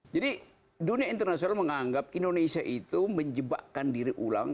jadi dunia internasional menganggap indonesia itu menjebakkan diri ulang